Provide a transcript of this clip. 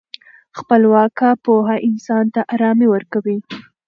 خپلواکه پوهه انسان ته ارامي ورکوي.